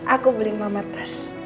aku beli lima tas